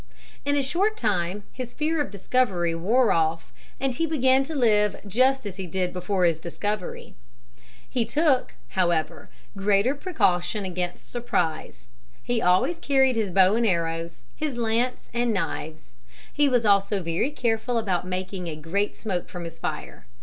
In a short time his fear of discovery wore off and he began to live just as he did before his discovery. He took, however, greater precaution against surprise. He always carried his bow and arrows, his lance and knives. He was also very careful about making a great smoke from his fire.